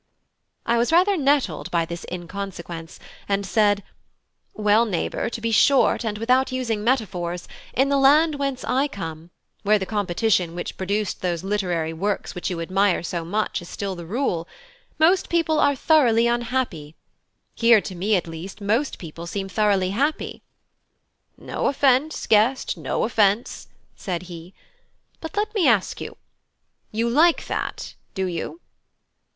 I was rather nettled by this inconsequence, and said: "Well, neighbour, to be short, and without using metaphors, in the land whence I come, where the competition which produced those literary works which you admire so much is still the rule, most people are thoroughly unhappy; here, to me at least most people seem thoroughly happy." "No offence, guest no offence," said he; "but let me ask you; you like that, do you?"